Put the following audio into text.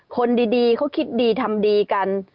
คนดีเขาคิดดีทำดีกัน